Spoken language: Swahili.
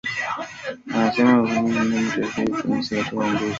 Anasema hakutarajia mdogo wake kushika nafasi ya juu kabisa ya uongozi